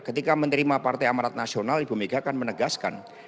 ketika menerima partai amarat nasional ibu mega kan menegaskan